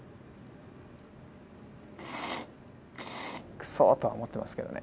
くそとは思ってますけどね。